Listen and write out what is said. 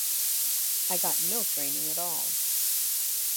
I got no training at all.